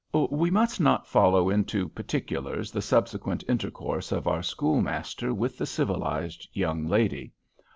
We must not follow into particulars the subsequent intercourse of our schoolmaster with the civilized young lady.